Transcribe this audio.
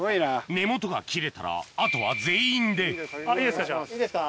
根元が切れたらあとは全員でいいですか？